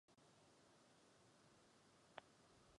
Byl předsedou Sněmovny národů.